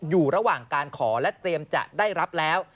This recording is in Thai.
อยู่ระหว่างการขอและเตรียมจะได้รับแล้ว